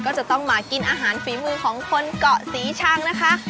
ก็จะต้องมากินอาหารฝีมือของคนเกาะศรีชังนะคะ